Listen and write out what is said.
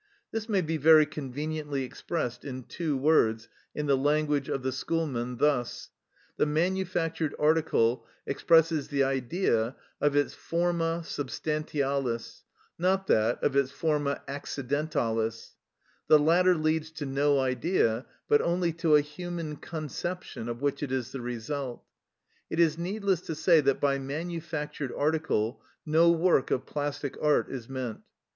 This may be very conveniently expressed in two words, in the language of the schoolmen, thus,—the manufactured article expresses the Idea of its forma substantialis, but not that of its forma accidentalis; the latter leads to no Idea, but only to a human conception of which it is the result. It is needless to say that by manufactured article no work of plastic art is meant.